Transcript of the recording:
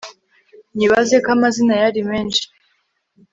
nyibaze; ko amazina yari menshi